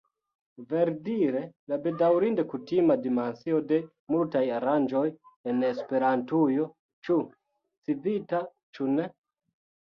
Verdire, la bedaŭrinde kutima dimensio de multaj aranĝoj en Esperantujo, ĉu Civitaj ĉu ne.